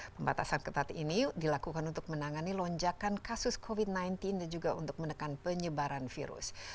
pembatasan ketat ini dilakukan untuk menangani lonjakan kasus covid sembilan belas dan juga untuk menekan penyebaran virus